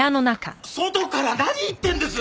外から何言ってんです！